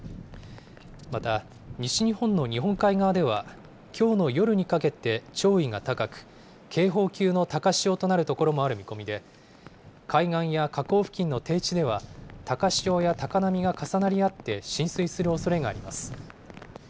また、西日本の日本海側では、きょうの夜にかけて潮位が高く、警報級の高潮となる所もある見込みで、海岸や河口付近の低地では、高潮や高波が重なり合って浸水するおそれがあります。